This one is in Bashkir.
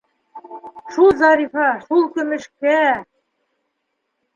Шул Зарифа, шул көмөшкә...